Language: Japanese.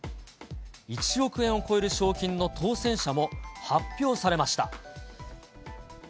１億円を超える賞金の当せん者も発表されました。